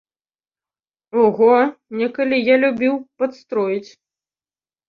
Ого, некалі я любіў падстроіць.